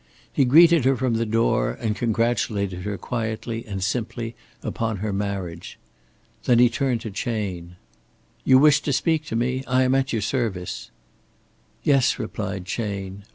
He greeted her from the door, and congratulated her quietly and simply upon her marriage. Then he turned to Chayne. "You wished to speak to me? I am at your service." "Yes," replied Chayne.